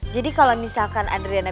jadi kalau misalkan adriana